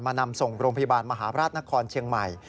นำส่งโรงพยาบาลมหาราชนครเชียงใหม่